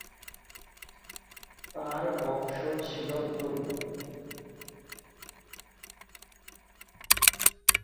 তার বংশ ছিল তুর্কি।